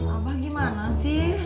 abah gimana sih